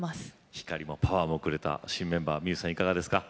光もパワーもくれた新メンバーｍｉｙｏｕさんいかがですか？